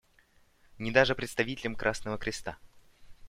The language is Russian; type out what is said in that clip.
Ни даже представителям Красного Креста.